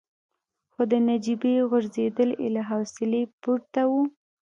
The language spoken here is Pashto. خو د نجيبې ځورېدل يې له حوصلې پورته وو.